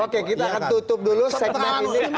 oke kita akan tutup dulu segmen ini